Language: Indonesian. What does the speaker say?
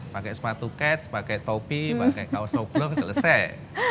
pakai sepatu kets pakai topi pakai kaos oblong selesai